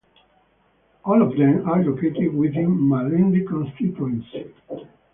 All of them are located within Malindi Constituency.